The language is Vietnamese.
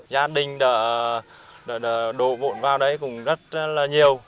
gia đình đã đổ vụn vào đây cũng rất là nhiều